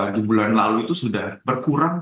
di bulan lalu itu sudah berkurang